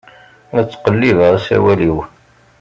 La ttqellibeɣ asawal-iw.